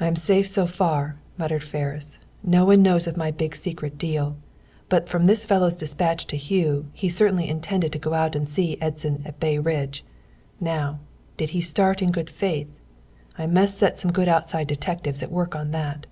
"I am safe so far," muttered Ferris. "No one knows of my big secret deal. But from this fellow's dispatch to Hugh, he certainly intended to go out and see Edson at Bay Ridge. Now, did he start in good faith? I must set some good outside detectives at work on that.